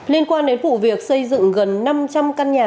liên quan đến vụ việc xây dựng gần năm trăm linh căn nhà